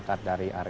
pt ketua pemusuhan